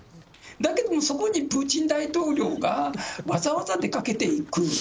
だけどもそこにプーチン大統領がわざわざ出かけていく。